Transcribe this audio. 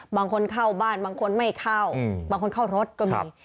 บางคนเข้าบ้านบางคนไม่เข้าบางคนเข้ารถก็มี